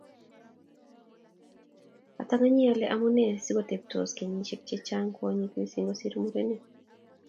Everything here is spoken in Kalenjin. Atanganyi ale amune sikotebtos kenyisiek chechang kwonyik missing kosir murenik